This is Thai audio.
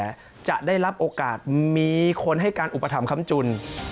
อะไรก็แล้วแต่จะได้รับโอกาสมีคนให้การอุปถัมธ์คำจุล